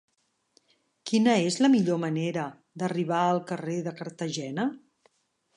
Quina és la millor manera d'arribar al carrer de Cartagena?